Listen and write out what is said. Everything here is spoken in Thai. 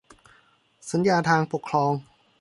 สัญญาทางปกครอง